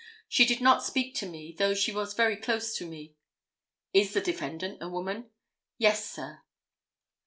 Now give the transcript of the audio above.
She did not speak to me, though she was very close to me." "Is the defendant the woman?" "Yes, sir."